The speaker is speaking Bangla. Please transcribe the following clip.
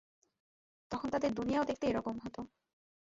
তখন তাদের দুনিয়াও দেখতে এরকম হতো।